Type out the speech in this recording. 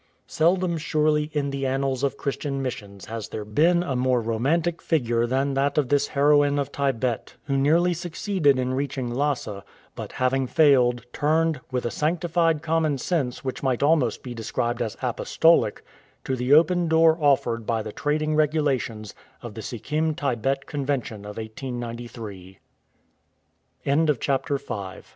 '' Seldom surely in the annals of Christian missions has there been a more romantic figure S7 IN THE CHUMBI VALLEY than that of this heroine of Tibet, who nearly succeeded in reaching Lhasa, but having failed, turned, with a sanctified common sense which might almost be described as apostolic, to the open door offered by the trading regulations of the Sikkim Tibet Convention of 18